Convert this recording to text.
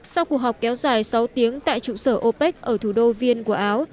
sau cuộc họp kéo dài sáu tiếng tại trụ sở opec ở thủ đô viên của áo